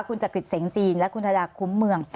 คุณจักริจเสียงจีนและคุณธดาคุ้มเมือง